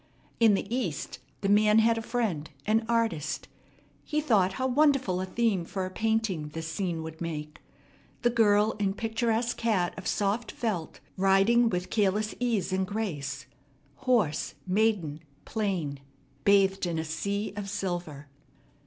In the East the man had a friend, an artist. He thought how wonderful a theme for a painting this scene would make. The girl in picturesque hat of soft felt, riding with careless ease and grace; horse, maiden, plain, bathed in a sea of silver.